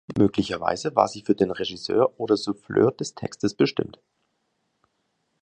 Möglicherweise war sie für den Regisseur oder Souffleur des Textes bestimmt.